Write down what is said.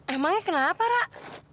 emangnya kenapa rak